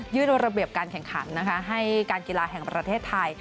ระเบียบการแข่งขันนะคะให้การกีฬาแห่งประเทศไทย